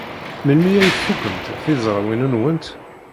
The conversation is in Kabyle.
Melmi ay tfukemt tizrawin-nwent?